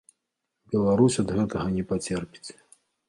Беларусь ад гэтага не пацерпіць.